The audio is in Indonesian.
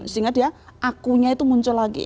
sehingga dia akunya itu muncul lagi